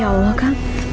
ya allah kang